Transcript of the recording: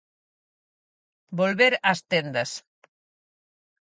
Volver ás tendas.